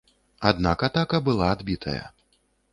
Аднак атака была адбітая.